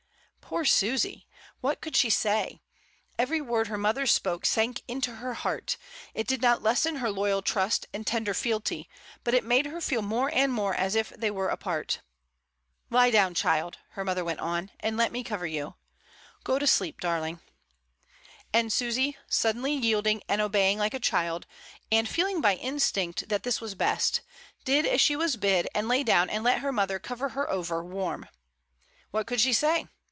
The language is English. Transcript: Poor Susy ! what could she say? Every word her mother spoke sank into her heart; it did not lessen her loyal trust and tender fealty, but it made her feel more and more as if they were apart. "Lie down, child," her mother went on, "and let me cover you over. Go to sleep, darling." And Susy, suddenly yielding and obeying like a Mrs, Dymond, /. 8 114 MRS. DYMOND. child, and feeling by instinct that this was best, did as she was bid, and lay down and let her mother cover her over warm. What could she say?